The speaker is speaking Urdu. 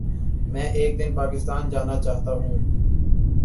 میں ایک دن پاکستان جانا چاہتاہوں